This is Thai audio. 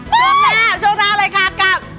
ช่วงหน้าช่วงหน้าเลยค่ะกับ